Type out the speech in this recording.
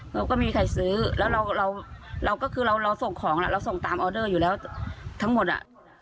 เราก็มีใครซื้อแล้วเราก็คือเราส่งของเราส่งตามออเดอร์อยู่แล้วทั้งหมดอ่ะ